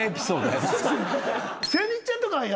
そう。とか。